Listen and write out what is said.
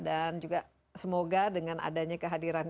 juga semoga dengan adanya kehadiran